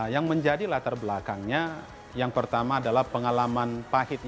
yang menjadi latar belakangnya yang pertama adalah pengalaman pahit